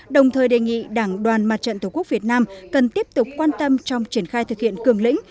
đồng thời đề nghị đảng đoàn mặt trận tổ quốc việt nam cần tiếp tục quan tâm trong triển khai thực hiện cường lĩnh